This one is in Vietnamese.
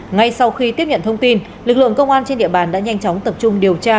ngay sau khi tiếp nhận thông tin lực lượng công an trên địa bàn đã nhanh chóng tập trung điều tra